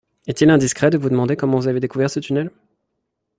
Est-il indiscret de vous demander comment vous avez découvert ce tunnel?